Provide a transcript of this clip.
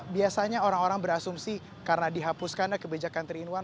biasanya orang orang berasumsi karena dihapuskan kebijakan tiga in satu